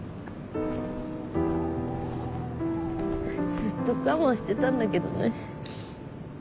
ずっと我慢してたんだけどね。